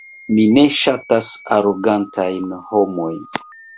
Mi ne ŝatas arogantajn homojn.